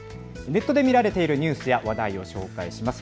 ネットで見られているニュースや話題を紹介します。